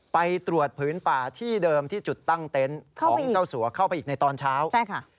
ไปตรวจผืนป่าที่เดิมที่จุดตั้งเต็นต์ของเจ้าสัวเข้าไปอีกในตอนเช้าใช่ค่ะ